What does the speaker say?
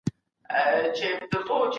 احکام باید په هر حالت کي عملي سي.